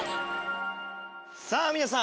さあ皆さん。